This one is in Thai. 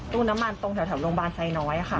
น้ำมันตรงแถวโรงพยาบาลไซน้อยค่ะ